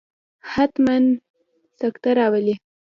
حتما سکته راولي.